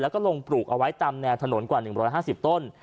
แล้วก็ลงปลูกเอาไว้ตามแนวถนนกว่า๑๕๐ต้น